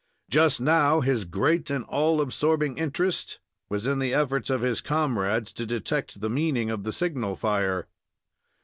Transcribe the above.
Just now his great and all absorbing interest was in the efforts of his comrades to detect the meaning of the signal fire.